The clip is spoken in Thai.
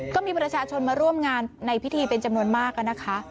ก็มีประชาชนมาร่วมงานในพิธีเป็นจำนวนมากนะคะ